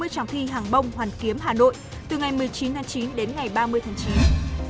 bốn mươi trang thi hàng bông hoàn kiếm hà nội từ ngày một mươi chín tháng chín đến ngày ba mươi tháng chín